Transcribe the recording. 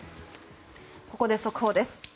ここで速報です。